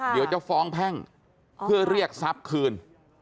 เดี๋ยวจะฟ้องแพ่งเพื่อเรียกทรัพย์คืน